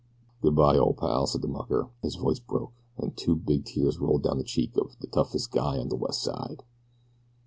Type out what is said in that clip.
"Good bye, old pal," said the mucker. His voice broke, and two big tears rolled down the cheeks of "de toughest guy on de Wes' Side."